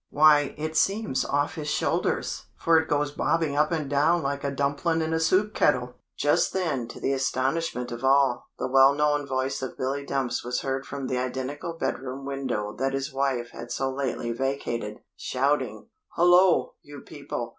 "Why it seems off his shoulders, for it goes bobbing up and down like a dumplin in a soup kettle!" Just then, to the astonishment of all, the well known voice of Billy Dumps was heard from the identical bed room window that his wife had so lately vacated, shouting, "Hullo, you people.